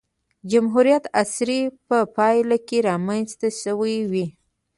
جمهوریت عصر په پایله کې رامنځته شوې وې.